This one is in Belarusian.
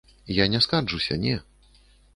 Я не скарджуся, не.